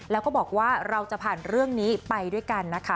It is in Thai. แล้วก็บอกว่าเราจะผ่านเรื่องนี้ไปด้วยกันนะคะ